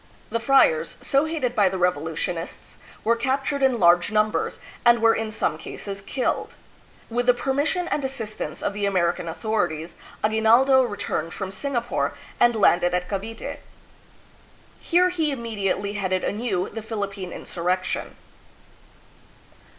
The friars, so hated by the revolution ists, were captured in large numbers and were in some cases killed. With the permission and assistance of the American authorities, Aguinaldo returned from Singapore, and landed at Cavite. Here he immediately headed anew the Philippine insurrection.